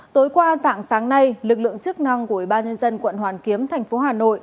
tối qua dạng sáng nay lực lượng chức năng của bà nhân dân quận hoàn kiếm tp hà nội